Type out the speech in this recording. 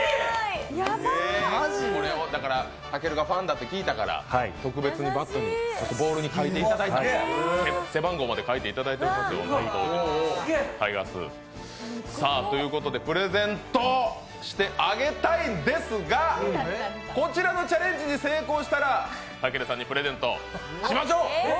たけるがファンだって聞いたから特別にバットとボールに書いていただいた、背番号まで書いていただいてますよ。ということでプレゼントしてあげたいですが、こちらのチャレンジに成功したら、たけるさんにプレゼントしましょう！